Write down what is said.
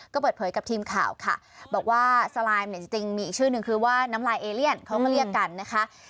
ก็เปิดเผยกับทีมข่าวค่ะบอกว่าสไลมเนี่ยจริงมีอีกชื่อนึงคือว่าน้ำลายเอเลียนเขาก็เรียกกันนะคะ